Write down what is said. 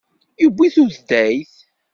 Yewwi tudayt.